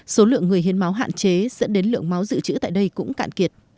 số lượng người hiến máu hạn chế dẫn đến lượng máu dự trữ tại đây cũng cạn kiệt